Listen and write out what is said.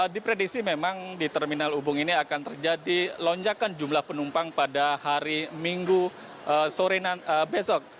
diprediksi memang di terminal ubung ini akan terjadi lonjakan jumlah penumpang pada hari minggu sore besok